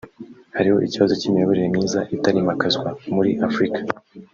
hari ikibazo cy’imiyoborere myiza itarimakwazwa muri Afurika